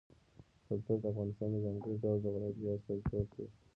کلتور د افغانستان د ځانګړي ډول جغرافیه استازیتوب کوي.